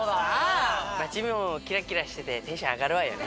街もキラキラしててテンション上がるわよね。